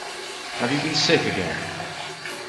Have you been sick again?